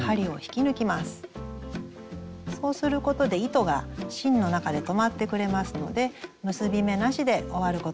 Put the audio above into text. そうすることで糸が芯の中で留まってくれますので結び目なしで終わることができます。